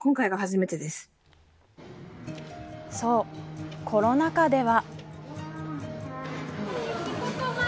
そう、コロナ禍では。